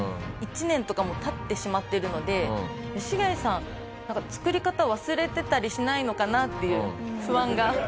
１年とかもう経ってしまってるので吉開さんなんか作り方忘れてたりしないのかな？っていう不安があったんですね。